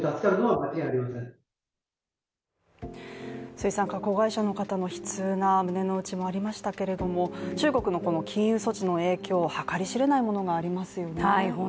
水産加工会社の方の悲痛な胸の内もありましたけど、中国の禁輸措置の影響、計り知れないものがありますよね。